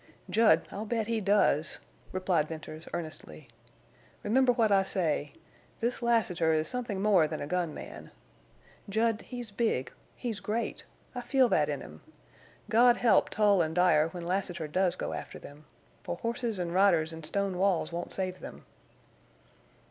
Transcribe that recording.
"Jud, I'll bet he does," replied Venters, earnestly. "Remember what I say. This Lassiter is something more than a gun man. Jud, he's big—he's great!... I feel that in him. God help Tull and Dyer when Lassiter does go after them. For horses and riders and stone walls won't save them."